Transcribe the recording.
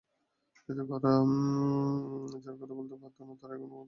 এতে করে যারা কথা বলতে পারত না, তারা এখন কথা বলতে পারে।